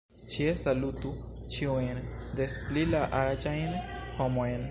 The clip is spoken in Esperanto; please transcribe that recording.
Ĉie salutu ĉiujn, des pli la aĝajn homojn.